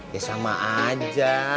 ya sama aja